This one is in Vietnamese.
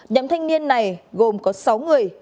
nhóm thanh niên này gồm có sáu người